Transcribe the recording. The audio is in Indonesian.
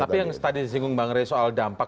tapi yang tadi singgung bang rai soal dampak